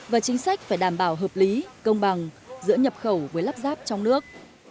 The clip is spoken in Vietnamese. và chính sách phải đảm bảo hợp lý công bằng giữa nhập khẩu với lắp ráp trong nước